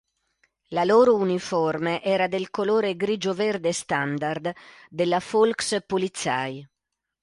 La loro uniforme era del colore grigio-verde standard della Volkspolizei.